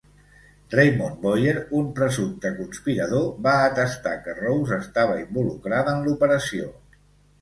Raymond Boyer, un presumpte conspirador, va atestar que Rose estava involucrada en l'operació.